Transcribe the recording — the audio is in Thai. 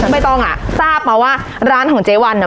ไม่ต้องอ่ะทราบมาว่าร้านของเจ๊วันอ่ะ